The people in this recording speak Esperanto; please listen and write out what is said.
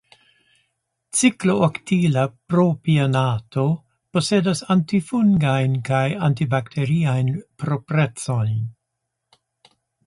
Ciklooktila propionato posedas antifungajn kaj antibakteriajn proprecojn.